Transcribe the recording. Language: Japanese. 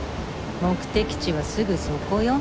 目的地はすぐそこよ。